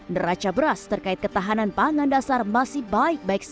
neraca beras terkait ketahanan pangan dasar masih baik baik saja